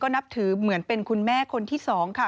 นับถือเหมือนเป็นคุณแม่คนที่๒ค่ะ